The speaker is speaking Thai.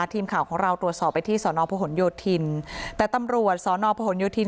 ทีมข่าวของเราตรวจสอบไปที่สอนอพหนโยธินแต่ตำรวจสอนอพหนโยธิน